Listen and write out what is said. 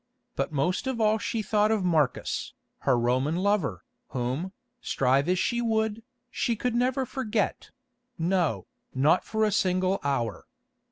But most of all she thought of Marcus, her Roman lover, whom, strive as she would, she could never forget—no, not for a single hour.